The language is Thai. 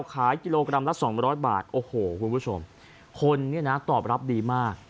ขายกิโลกรัมละสองร้อยบาทโอ้โหคุณผู้ชมคนเนี่ยนะตอบรับดีมาก